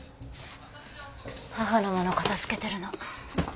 母の物片付けてるの。